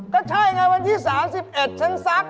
ก็ใช่ไงวันที่๓๑ฉันซัก